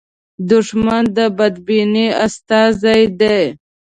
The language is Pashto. دښمن د بدبینۍ استازی دی